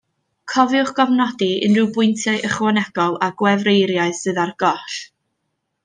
Cofiwch gofnodi unrhyw bwyntiau ychwanegol a gwefreiriau sydd ar goll